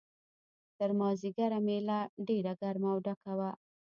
تر مازیګره مېله ډېره ګرمه او ډکه وه.